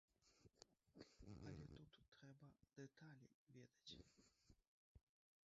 Але тут трэба дэталі ведаць.